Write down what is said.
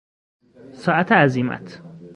ساعت عزیمت